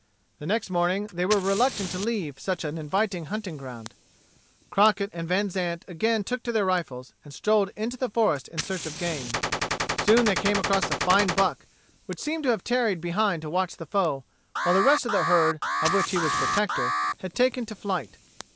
The next morning they were reluctant to leave such an inviting hunting ground. Crockett and Vanzant again took to their rifles, and strolled into the forest in search of game. Soon they came across a fine buck, which seemed to have tarried behind to watch the foe, while the rest of the herd, of which he was protector, had taken to flight.